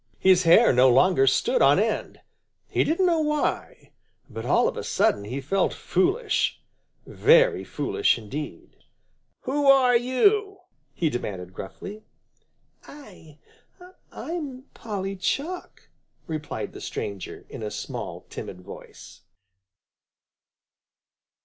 His hair no longer stood on end. He didn't know why, but all of a sudden he felt foolish, very foolish indeed. "Who are you?" he demanded gruffly. "I I'm Polly Chuck," replied the stranger, in a small, timid voice.